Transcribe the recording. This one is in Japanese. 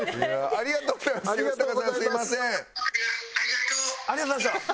「ありがとう」ありがとうございました。